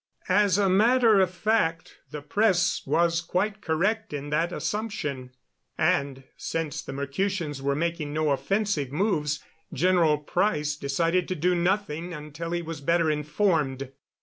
As a matter of fact, the press was quite correct in that assumption; and, since the Mercutians were making no offensive moves, General Price decided to do nothing until he was better informed.